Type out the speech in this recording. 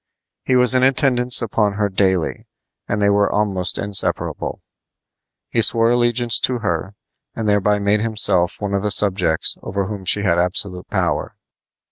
He was in attendance upon her daily, and they were almost inseparable. He swore allegiance to her and thereby made himself one of the subjects over whom she had absolute power.